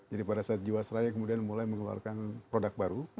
jadi pada saat jiwa seraya kemudian mulai mengeluarkan produk baru